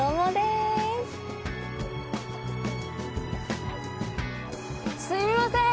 すいません！